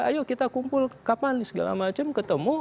ayo kita kumpul kapan segala macam ketemu